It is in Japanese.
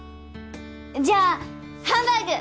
じゃあハンバーグ！